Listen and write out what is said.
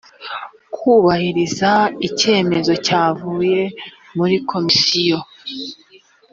kubahiriza icyemezo cyavuye muri komisiyo